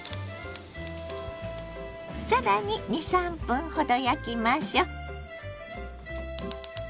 更に２３分ほど焼きましょ。